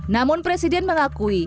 namun presiden mengakui